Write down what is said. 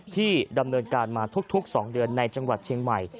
ที่ดำเนินการมาทุก๒เดือนในจังหวัดเชียงใหม่